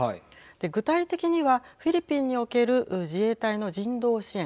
具体的にはフィリピンにおける自衛隊の人道支援